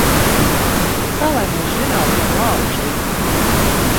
Kā lai mēs zinām tavu ādas tipu?